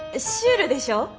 シュールでしょ？